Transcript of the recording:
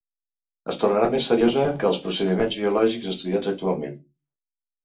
Es tornarà més seriosa que els procediments biològics estudiats actualment.